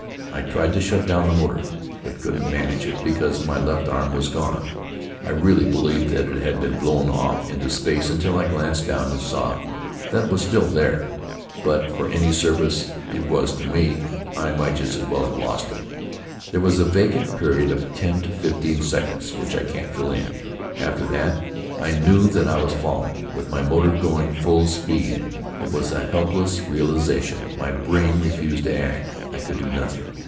I tried to shut down the motor, but couldn't manage it because my left arm was gone. I really believed that it had been blown off into space until I glanced down and saw that it was still there. But for any service it was to me, I might just as well have lost it. There was a vacant period of ten or fifteen seconds which I can't fill in. After that I knew that I was falling, with my motor going full speed. It was a helpless realization. My brain refused to act. I could do nothing.